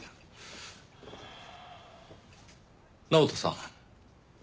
直人さん